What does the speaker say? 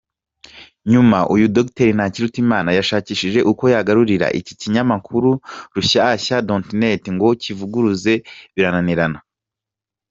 Nyuma uyu Dr. Ntakirutimana yashakishije uko yaguririra iki kinyamakuru Rushyashya.net ngo kivuguruze birananirana.